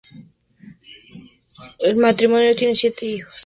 El matrimonio tiene siete hijos, seis hombres y una mujer.